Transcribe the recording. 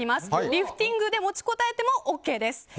リフティングで持ちこたえてもＯＫです。